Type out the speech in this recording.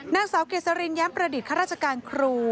นางสาวเกษรินแย้มประดิษฐ์การครู